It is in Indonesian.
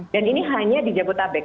dan ini hanya di jabodabek